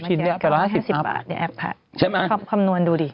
๕๐ชิ้น๘๕๐อัพใช่ไหมคำนวณดูดิ